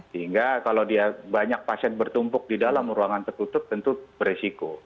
sehingga kalau dia banyak pasien bertumpuk di dalam ruangan tertutup tentu beresiko